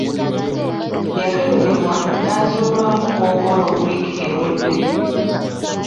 Yakeberebwa n'azuulwamu Kkookolo wiiki ewedde.